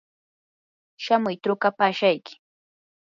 shamuy trukapashayki.